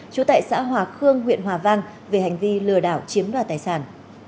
trú tại xã hòa khương huyện hòa vang về hành vi lừa đảo chiếm đoạt tài sản